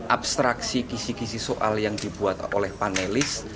abstraksi kisi kisi soal yang dibuat oleh panelis